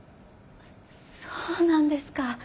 そうなんですか？